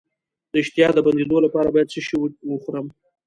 د اشتها د بندیدو لپاره باید څه شی وخورم؟